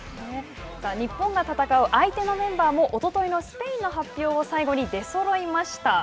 日本が戦う相手のメンバーも、おとといのスペインの発表を最後に出そろいました。